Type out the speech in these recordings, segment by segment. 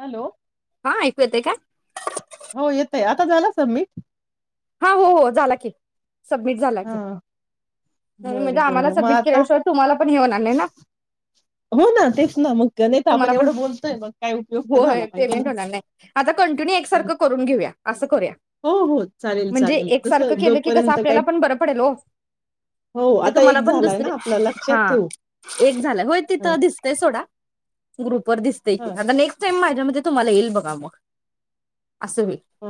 Hello हा ऐकू येत का? हो येतय आता झाला सबमिट हा हो हो झाला की सबमिट झाला की हा म्हणून बरं आम्हाला बरं मग सबमिट आता केल्याशिवाय तुम्हाला पण हे होणार नाही ना हो ना तेच ना मग नाहीता आपण तुम्हाला पण एवढं बोलतोय मग काय उपयोग तर झाला होय पाहिजे पेमेंट ना होणार नाही आता कंटिन्यू एकसारखं करून घेऊया असं करूया हो हो चा म्हणजे एकसारख केलं की कस आपल्याला पण बरं पडेल ओ हो म्हजे आता तुम्हाला एक पण झालाय दुसरे ना आपला लक्षात हा ठेवू एक झाला होय तिथ ह दिसतय सोडा ग्रुप वर दिसतय की ह आता नेक्स्ट टाईम मा त्यामध्ये तुम्हाला येईल बघा मग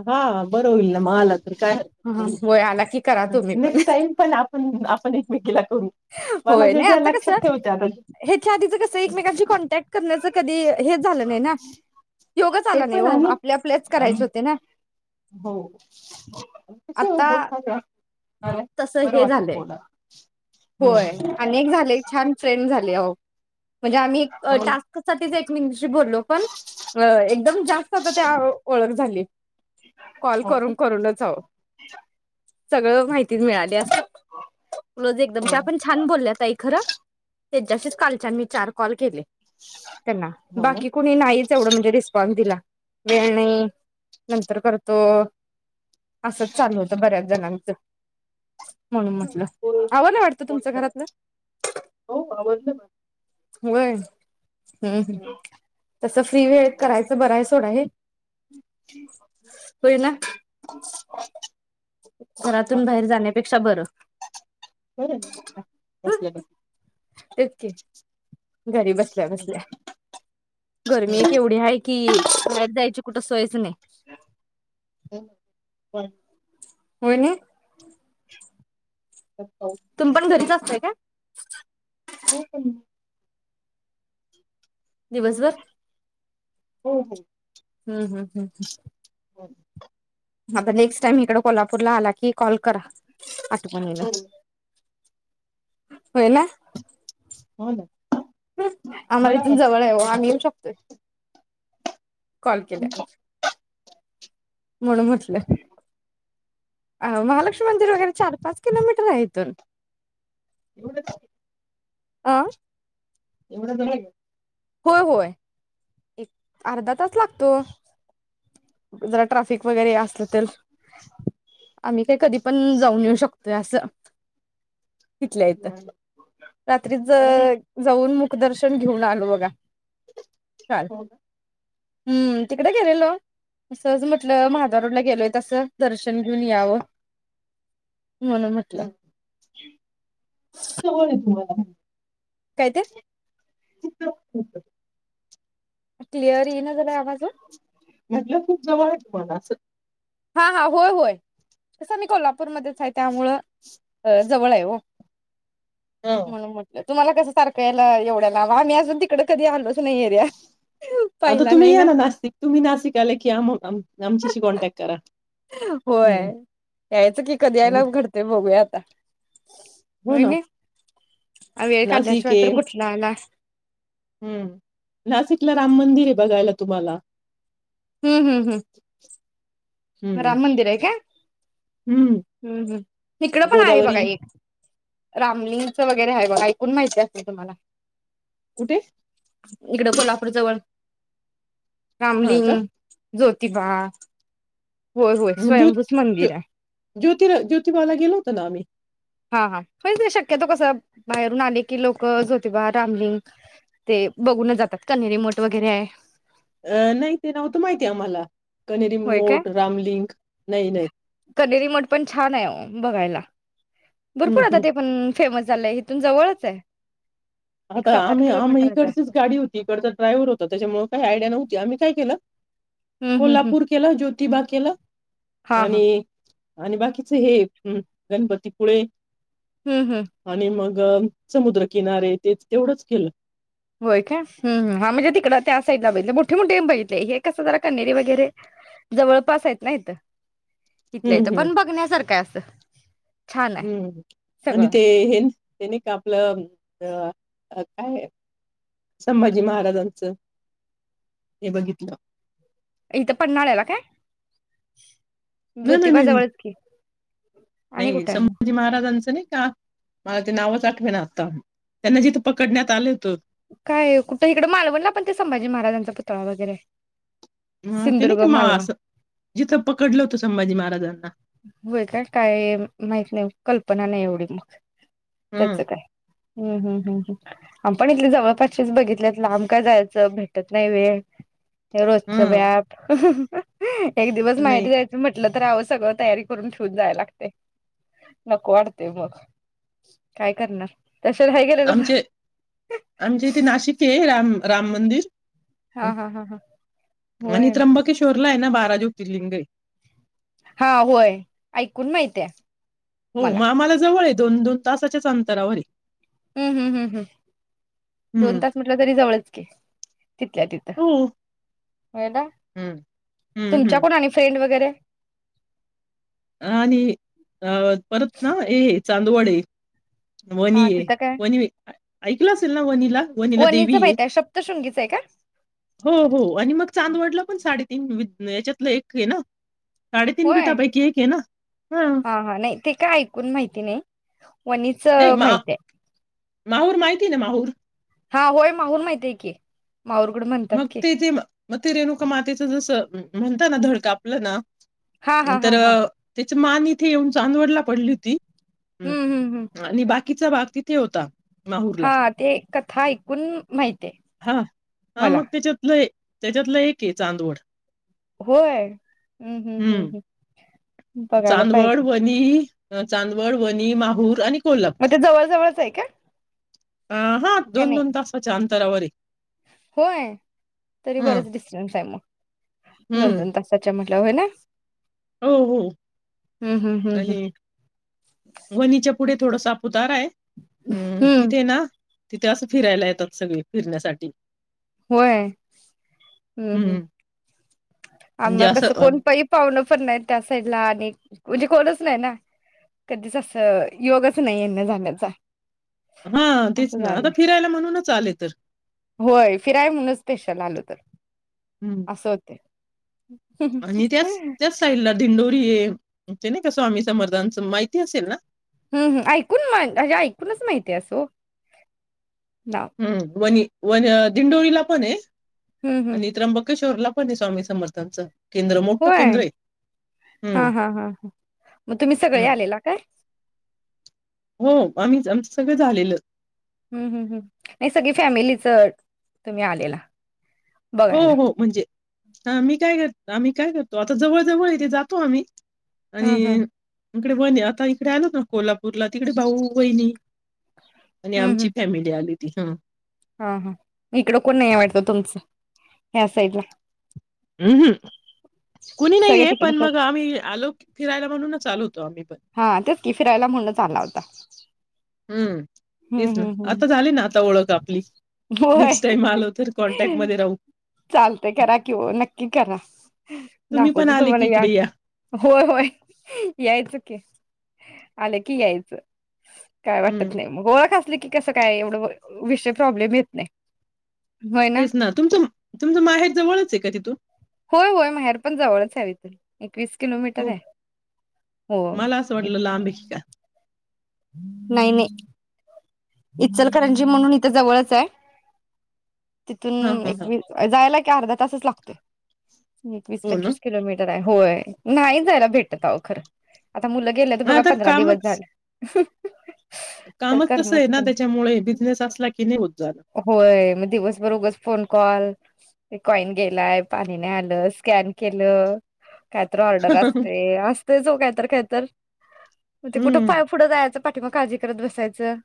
हा बर होईल ना म आलात हम्म व्हय आला कि करा तुम्ही पण ह नेक्स्ट टाइम पण आपण आपण एकमेकीला करू ह मला होय जे नाही जे आता कस लक्षात ठेवते आता हेच्या आधीच कस एकमेकांची कॉन्टॅक्ट करण्याच कधी हे झालं नाही ना योगच ते आला नाही पण ओ आणि आपल्या आपल्याच आणि करायचं होत ते ना हो आता [unintelligible] तसं बरं हे वाटत झालंय बोला हं. होय आणि एक झाले छान फ्रेंड झाले आहों म्हणजे आम्ही अ हो टास्कसाठीच एक [inaudible] म्हणजे बोलो पण एकदम जास्त आता ते ओळख झाले कॉल हो ना. करून करूनच आहो सगळं माहिती मिळाली आस रोज एक हं. त्या पण छान बोलल्या ताई खरं तेच्याशीच कालच्यान मी चार कॉल केले त्यांना हो ना. बाकी कुणी नाहीच एवढं म्हणजे रिस्पॉन्स दिला वेळ नाही नंतर करतो असंच चालू होतं बऱ्याच जणां च म्हणून म्हटलं हो वाटतं तुमचं घरातलं [unintelligible] हो आवरल माझं होय हम्म हम्म तसं फ्री वेळेत करायचं बर हाय सोड हे होय ना घरातून बाहेर जाण्यापेक्ष पेक्षा बरं [unintelligible] बसल्या हं बसल्या तेच की घरी बसल्या बसल्या गरमी छान. केवढी हाय की बाहेर जायची कुठे सोयच नाही [unintelligible] हो ना [inaudible] तुम पण घरीच असता त्या काय [unintelligible] दिवसभर हो हो हम्म हम्म हम् ह [unintelligible] हता नेक्स्ट टाइम इकडे कोल्हापूरला आला की कॉल करा आठवणीन होयना हो ना आम्हाला मला इथून वाटतं जवळ आहे ओ आम्ही येऊ शकतो [inaudible] कॉल केल्यावर म्हणून म्हटलं अ महालक्ष्मी मंदिर वगैरे चार पाच किलोमीटर आहे इथून एवढ [unintelligible] आं एवढं जवळ आहे का होय होय एक अर्धा तास लातो जरा ट्राफिक वगैरे असलं तर आम्ही काय कधी पण जाऊन येऊ शकतोय असं इथल्या इथ रात्री चांगलं जाऊन मुखदर्शन घेऊन आलो बघा काल हो [unintelligible] हम्म तिकडे गेलेलो असं म्हटलं माधव रोडला गेलोय तसं दर्शन दर्शन घेऊन यावं म्हणून म्हटलं हम्म [unintelligible] काय ते [unintelligible] क्लिअर येईना झालाय आवाज ओ म्हटलं खूप जवळ आहेत तुम्हाला [unintelligible] हा हा होय होय असं मी कोल्हापूरमध्येच आहे त्यामुळं जवळ आहे हो हो. म्हणून म्हटलं तुम्हाला कस सारख याय एवढ्याला आम्ही अून तिकडे कधी आलोच नाही एरिया आता पाहिला तुम्ही नाही या ना नास्तिक तुम्ही नाशिक आले कि आम आमच्याशी कॉन्टॅक्ट करा होय हम्म. यायचं की कधी यायला घडते बघूयात [unintelligible] हो होय ना नाही वेळ काढल्या नाशिक शिवाय तर आहे कुठला आला हम्म नाशिकला राम मंदिर आहे बघायला तुम्हाला हम्म हम्म हम्म हम्म. राम मंदिर आहे का हं. हम् हम् इकड पण आहे गोदावरी बघा एक रामलिंगचं वगैरे आहे बा ऐकून माहिती असल तुम्हाला कुठे इकडं कोल्हापूर जवळ हां रामलिंग का? ज्योतिबा होय होय ज स्वयंभूच मंदिर आहे ज्योतिरा ज्योतिबाला गेलो होत ना आम्ही हा हा म्हण ते शक्यतो कस बाहेरून आले की लोक ज्योतिबा रामलिंग ते बघूनच जातात कण्हेरी मठ वगैरे आहे अं नाही ते नव्हत माहिती आम्हाला कण्हेरी होय काय मोठ, रामलिंग. नाही, नाही. कनेरी मठ पण छान आहे [unintelligible] बघायला हं, भरपूर आता हं. ते पण... फेमस झालंय हिथून जवळच आहे एक आता सात आठ आम्ही आम्ही किलोमीटरच आहे इकडचीच गाडी होती इकडचा ड्रायव्हर होता त्याच्यामुळे काही आयडिया नव्हती आम्ही काय केलं हम्म हम्म हम्म कोल्हापूर केला ज्योती तिबाबा केलं हा हा आणि आणि बाकीचे हे गणपतीपुळे हम्म हम्म आणि मग समुद्रकिनारे तेच तेवढंच केलं होय काय? हम हा म्हणजे तिकड त्या साईड ला बघितले मोठे मोठे बघितले आहे ते हे कसं कन्हेरी वगैरे जवळपास आहेत ना इथे इथल्या हं, इथं पण बघण्यासारखं आहे अस तर हम्म आणि ते हे हेने का आपलं अ काय संभाजी महाराजांचं हे बघितलं इथं पन्हाळ्याला काय? नाही नाही ज्योतिबा नाही जवळच की आणि नाही कुठं आहे मग संभाजी महाराजांचं नाही का मला ते नावच आठवे ना आता त्यांना जिथे पकडण्यात आले होत काय कुठं इकड मालवणला पण ते संभाजी महाराजांचा पुतळा वगैरे ह ते नाही सिंधुदुर्ग का मा मालवण अस जिथं पकडलं होतं संभाजी महाराजांना होय काय काय माहित नाही? कल्पना नाही एवढी मग ह त्याच काय हम्म हम् हम्म हम आप आपण इथली जवळपासचेच बघितल्यात लांब काय जायचं भेटत नाही वेळ हे रोजच ह व्याप अ ह एक दिवस माहिती नाही जायच म्हटलं तर आव सगळं तयारी करून ठेवून जाय लागते नको वाटतय मग काय करणार? तस नाही गेलेलं ब आमचे आमच्या इथे नाशिक आहे राम राम मंदिर हा हा हा हा आणि होय त्र्यंबकेश्वर तिथं नाही ना बारा ज्योतीलिंग आहे हा होय ऐकून माहित आहे हो म आम्हाला जवळ आहे दोन दोन तासाच्याच अंतरावर हूं हूं हूं दोन हम्म तास म्हटलं तरी जवळच की तिथल्या तिथं. हो होय दा हम्म हम्म तुमच्या हम्म कोण आणि फ्रेंड वगैरे. [inaudible] आणि अ परत ना हेच. चांदवड ये वणी हा ये तिथं काय वणी आइकल असेल न वनिला वणीला देवी वणीचं हे, माहित आहे सप्तशृंगीचं आहे का हो आणि मग चांदवड पण साडे वित न याच्यातलं एक हे ना? साडेतीन होय पिठापैकी एक. ना? हां. हा हा नाही ते काय ऐकून माहिती नाही. वणीच मा माहित आहे माहूर माहिती ना माहूर. हा होय माहून माहितेय की. माहूरगड म म्हणतात की तेथे म ते रेणुका मातेचं जसं म्हणताना धड कापलं ना हा हा तर हा हा ते मान इथे येऊन चांदवडला पडली होती. अ हम्म हम्म हम्म आणि बाकीचा भाग तिथे होता. माहूरला. हा ते कथा ऐकून माहितेय. हां. हां मग त्याच्यात त्याच्यातलं एकय चांदवड. होय हुं हुं हं. हुं! चांदवड वनी ह चांदवड वनी माहूर आणि कोल्हापूर. म ते जवळ जवळच आहे का? अह का दोन नाही दोन तासाच्या अनं तरावर ये! होय तरी हं, बराच डिस्टर्न्स आहे म. दोन हं. दोन तासाच्या मह नवना. हो हो हम्म आणि हम्म वनीच्या प पुढे थोड साप उतार हाय हुं हम्म तिथे ना तिथे असं फिरायला येतात सगळी फिरण्यासाठी. होय हुं हुं हं. म्हणजे आना असं कसं अ, कोण पईपा कोणच नाही त्या साईडला आणि म्हणजे कोणच नाही ना कधीच असं योगच नाही येण्या जाण्याचा. हां तेच असं ना झालंय आता फिरायला म्हणूनच आले तर त हं. असं होतय. आणि त्याच त्याच साईडला दिंडोरी ए ते नाही का स्वामी समर्थांचं माहिती असेल ना? हम्मम ऐकून म्हण ऐकूनच माहितीय असं ओ हम्म वनी वन दिंडोरीला पण अ ए हं, हं. आणि त्र्यंबकेश्वरला कोणी स्वामी समर्थांचं केंद्र, मोठं होय केंद्र आहे. हा हं, हा ह ह मग तुम्ही सगळे हं. आलेला काय? हो आम्हीच आमचं सगळं झालेलं. हम्म हम् हम् नाही सगळी फॅमिलीच तुम्ही आलेला. हो बघायला. हो म्हणजे ह मी काय कर आम्ही काय करतो आता जवळ-जवळ इथे जातो आम्ही. आणि हं, हं. इकडे बंद आहे आता इकडे आलो ना कोल्हा उरला तिकडे भाऊ बहिणी आणि आमची फॅमिली आली. तीच हा हा इकडं कोण नाही आहे वाटत तुमचं ह्या साईड ला. हम् हम कुणी सगळे नाहीये पण तिकडच आहेत. मग आम्ही आलो फिरायला म्हणूनच आलो हो हा तेच की फिरायला म्हणूनच आला होता. हम्म हूं हूं हूं आपली. होय नेक्स्ट टाईम आलो तर कॉन्टॅक्टमध्ये राहू. चालतय करा कि नक्की करा तुम्ही पण दाखवतो आले तुम्हाला की या इकडे होय होय यायचं की. आलं की यायचं. काय हं, वाटत नाही. ओळख असली की कसं काय एवढं विषय प्रॉब्लेम येत नाही. तेच ना तुमचं तुमचं माहेर जवळच हे का तिथू. [unintelligible] वीस किलोमीटर आहे हो. मला असं वाटलं लांब आहे की काय? नाही नाही. इचलकरंजी म्हणून इथ जवळच आहे. हां, तिथून हां, हां. एकवी जायला कि अर्धा तासच लागतोय. एकवीस हो ना. पंचवीस किलोमीटर. होय नाही जायला भेटत अहो खर. आता मुलं गेलेत मग बघा आता पंधरा दिवस कामच झाले. कामच तसं हे ना त त्यामुळे बिझनेस असला की नही होत. झालं होय म दिवसभर उगच फोन कॉ कॉइन गेलाय पाणी नई आलं स्कॅन केलं. कायतर ऑर्डर असते असतेच ओ कायतर कायतर. म ते कुठं हम्म पाय पुढं जायचं. पाठी म काळजी करत बसायचं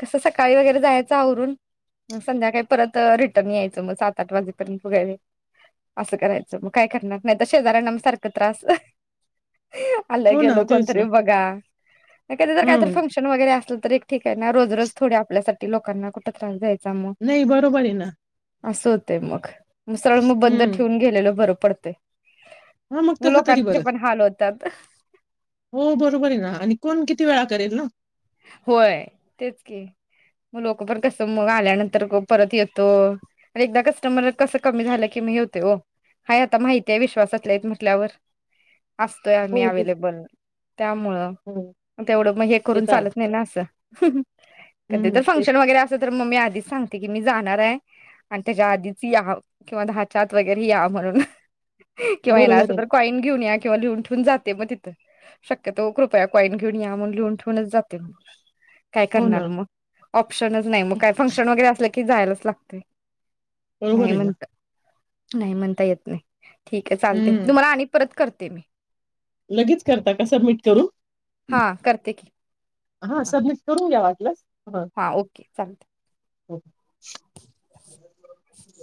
कसं सकाळी वगैरे जायचं आवरून. मग संध्याकाळी परत रिटर्न यायचं मग सात आठ वाजेपर्यंत पुगये मी असं करायचं मग काय करणार नाही तर शेजाऱ्यांना मग सारखं त्रास. आल हो ना गेल कोण तेच ना तरी बगा. कधी तर काही तरी हम्म फंक्शन वैगेरे असल. ठीक आहे ना रोज रोज थोडी आपल्यासाठी लोकांना. ञास दय नही बरोबर आहे ना. असं होतय मग. सरळ म बंद हम्म ठेवून गेलेलो बरं. पडतंय. मग तस तरी लोकांचे बरं पण हाल होतात हो बरोबर आहे ना आणि कोण कि ती वेळा करेल ना. होय तेच की मग लोक पण कस मग आल्यानंतर परत येतो न एकदा कस्टमर कस कमी झालं, कि मी हे होते हो आहे आता माहिती आहे. विश्वसातले म्हटल्यावर. असतोय आम्ही हो ते अवेलेबल त्यामुळं हो न तेवढं मंजे हे ते करून तर आहे. चालत. असं कधी हम्म तर तेच फंक्शन वगैरे असेल, तर मग मी आधीच सांग कि मी जाणार आहे आणि त्याच्या आधीच या किंवा दहाच्या आत वगैरे या म्हणून. किंवा येनार बरोबर असंल आहे तर ना कॉईन घेऊन या. किवा लिहून ठेऊन जाते मग तिथ. शक्यतो कृपया कॉईन घेऊन या लिहून ठेवून जात तेन काय हो ना करणार मग ऑप्शनच नाही, मग हं, काय फंक्शन वगैरे असले कि कि जायलाच लागतंय. बरोबर नाही आहे ना म्हणता नाही म्हणता येत नाही. ठीक आहे चालतंय हम्म तुम्हाला आणि परत कर ते मी लगेच करता का सबमिट करून? हा करते की हा सबमिट करून घ्या. वाटलंस. हा ओके चालतंय. हं. [inaudible]